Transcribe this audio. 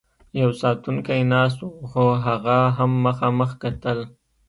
یو ساتونکی ناست و، خو هغه هم مخامخ کتل.